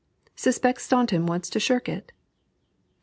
Suspect Staunton wants to shirk it?"